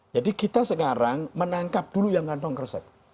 jadi kita sekarang menangkap dulu yang kantong kresek